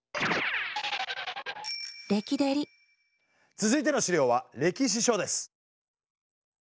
続いての資料は歴史書です。